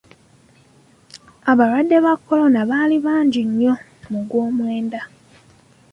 Abalwadde ba kolona baali bangi nnyo mu gw'omwenda.